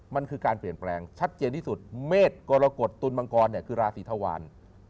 มันคือการเปลี่ยนแปลงชัดเจนที่สุดเมษกรกฎตุลมังกรคือราศีธวาร